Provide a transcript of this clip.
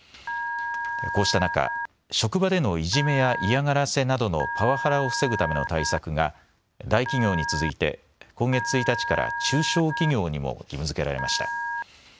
こうした中、職場でのいじめや嫌がらせなどのパワハラを防ぐための対策が大企業に続いて今月１日から中小企業にも義務づけられました。